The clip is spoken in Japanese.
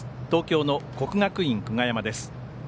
東京の国学院久我山です。